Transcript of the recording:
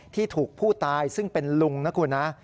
ที่ถูกผู้ตายซึ่งเป็นลุงนะคุณนะ